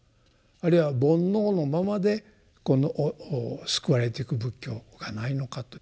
あるいは煩悩のままでこの救われていく仏教がないのかと。